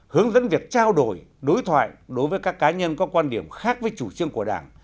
hướng dẫn việc trao đổi đối thoại đối với các cá nhân có quan điểm khác với chủ trương của đảng